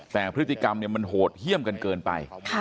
แต่พฤติกรรมมันโหดเยี่ยมกันเกินไป